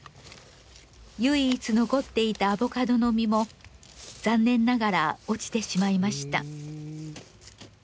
唯一残っていたアボカドの実も残念ながら落ちてしまいました。